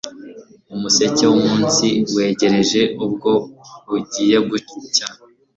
Umuseke wumunsi wegereje ubwo bugiye gucya